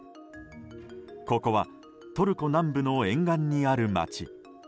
ここはトルコ南部の沿岸にある町。